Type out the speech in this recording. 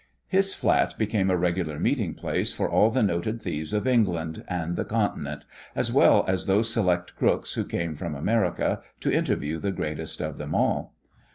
His flat became a regular meeting place for all the noted thieves of England and the Continent, as well as those select crooks who came from America to interview the greatest of them all.